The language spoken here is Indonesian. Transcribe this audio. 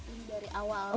ini dari awal